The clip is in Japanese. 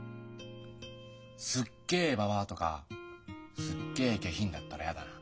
すっげえばばあとかすっげえ下品だったらやだな。